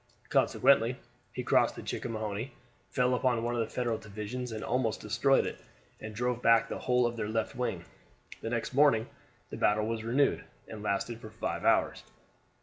Consequently he crossed the Chickahominy, fell upon one of the Federal divisions and almost destroyed it, and drove back the whole of their left wing. The next morning the battle was renewed, and lasted for five hours.